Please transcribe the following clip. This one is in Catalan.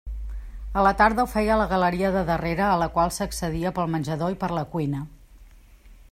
A la tarda ho feia a la galeria de darrere a la qual s'accedia pel menjador i per la cuina.